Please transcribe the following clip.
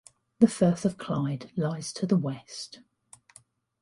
The Firth of Clyde lies to the west.